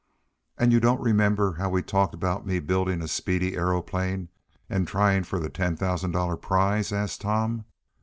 "And you don't remember how we talked about me building a speedy aeroplane and trying for the ten thousand dollar prize?" asked Tom.